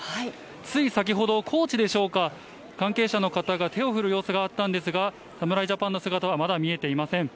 つい先ほど、コーチでしょうか、関係者の方が手を振る様子があったんですが、侍ジャパンの姿はまだ見えていません。